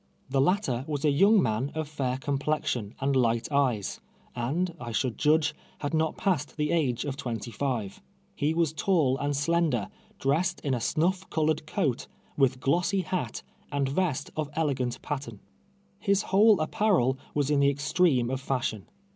The latter was a young man of fair complexion and light eyes, and, I should judge, had not passed the age of twenty five. He was tall and slender, dressed in a snufi' colored coat, with glossy hat, and vest of elegant pattern. His whole apparel was in the extreme of fashion.